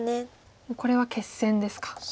もうこれは決戦ですか。